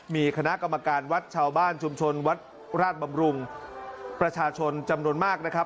มีคณะกรรมการวัดชาวบ้านชุมชนวัดราชบำรุงประชาชนจำนวนมากนะครับ